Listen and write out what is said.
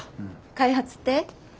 開発って？